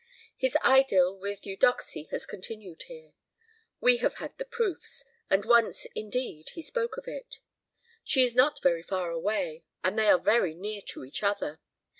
His idyll with Eudoxie has continued here. We have had the proofs; and once, indeed, he spoke of it. She is not very far away, and they are very near to each other.